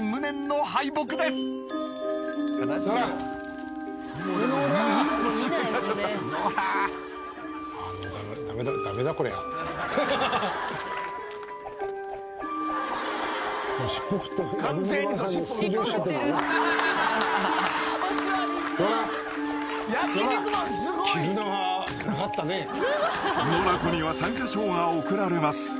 ［のら子には参加賞が贈られます］